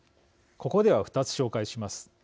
ここでは２つ紹介します。